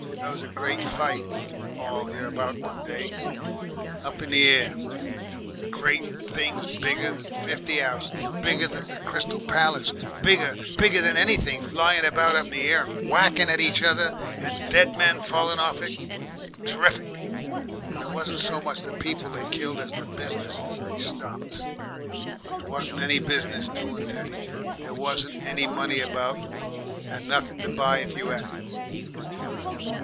There was a great fight all hereabout one day, Teddy up in the air. Great things bigger than fifty 'ouses, bigger than the Crystal Palace bigger, bigger than anything, flying about up in the air and whacking at each other and dead men fallin' off 'em. T'riffic! But, it wasn't so much the people they killed as the business they stopped. There wasn't any business doin', Teddy, there wasn't any money about, and nothin' to buy if you 'ad it."